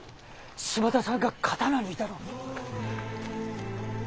島田さんが刀抜いたの。